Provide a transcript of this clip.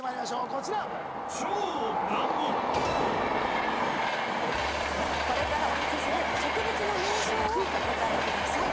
こちらこれからお見せする植物の名称をお答えください